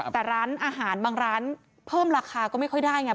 แต่ร้านอาหารบางร้านเพิ่มราคาก็ไม่ค่อยได้ไง